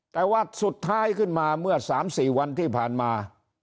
แต่ว่าสุดท้ายขึ้นมาเมื่อ๓๔วันที่ผ่านมา